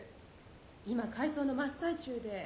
今改装の真っ最中で。